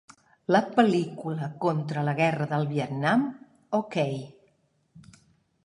La pel·lícula contra la Guerra del Vietnam, o.k.